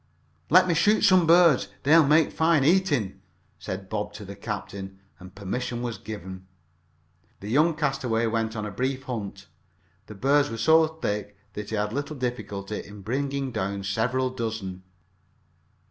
"Let me shoot some birds they will make fine eating," said Bob to the captain, and permission being given, the young castaway went on a brief hunt. The birds were so thick that he had little difficulty in bringing down several dozen.